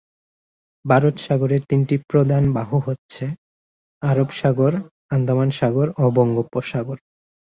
ভারত সাগরের তিনটি প্রধান বাহু হচ্ছে: আরব সাগর, আন্দামান সাগর ও বঙ্গোপসাগর।